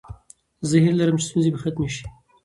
زه هیله لرم چې ستونزې به ختمې شي.